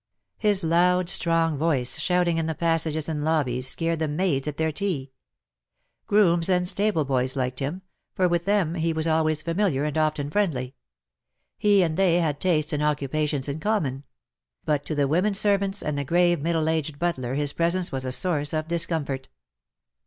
His loud strong voice, shouting in the passages and lobbies, scared the maids at their tea. Grooms and sta!ble boys liked him; for with them he was always familiar, and often friendly. He and they had tastes and occupations in common ; but to the women servants and the grave middle aged butler his presence was a source of discomfort.